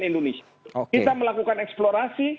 indonesia kita melakukan eksplorasi